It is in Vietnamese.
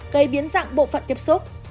gây biến dạng bộ phận tiếp xúc